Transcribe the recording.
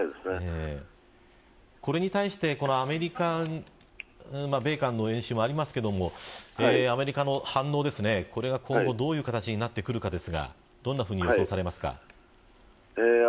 これに対してアメリカ米韓の演習もありますがアメリカの反応が今後どのような形になるかですがどのように予想されますか。